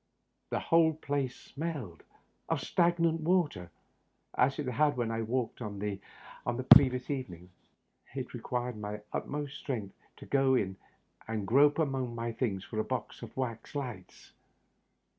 The whole place smelled of stagnant sea water, as it had when I had waked on the previous evening. It required my utmost strength to go in and grope among my things for a box of wax lights.